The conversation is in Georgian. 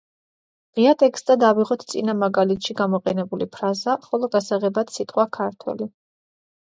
ღია ტექსტად ავიღოთ წინა მაგალითში გამოყენებული ფრაზა, ხოლო გასაღებად სიტყვა „ქართველი“.